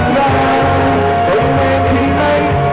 ขอบคุณทุกเรื่องราว